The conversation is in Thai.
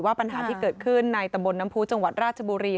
ปัญหาที่เกิดขึ้นในตำบลน้ำพูจังหวัดราชบุรี